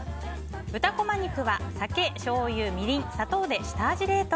豚こま肉は、酒、しょうゆみりん、砂糖で下味冷凍。